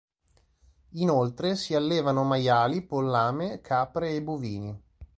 Inoltre, si allevano maiali, pollame, capre e bovini.